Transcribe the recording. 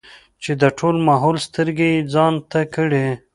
چې د ټول ماحول سترګې يې ځان ته کړې ـ